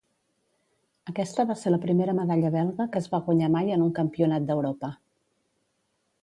Aquesta va ser la primera medalla belga que es va guanyar mai en un Campionat d'Europa.